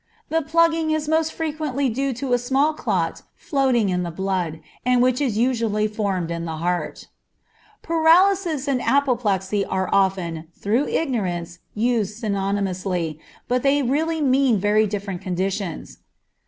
The plugging is most frequently due to a small clot floating in the blood, and which is usually formed in the heart. Paralysis and apoplexy are often, through ignorance, used synonymously, but they really mean very different conditions.